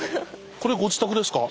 これご自宅ですか？